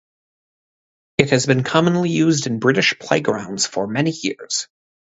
It has been commonly used in British playgrounds for many years.